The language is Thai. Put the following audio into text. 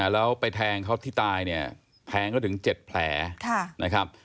แล้วไปแทงเขาที่ตายเนี่ยแทงเขาถึง๗แผลนะครับ